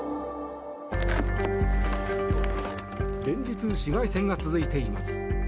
連日、市街戦が続いています。